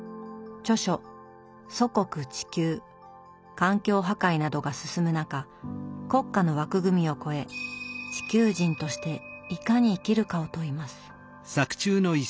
環境破壊などが進む中国家の枠組みを超え「地球人」としていかに生きるかを問います。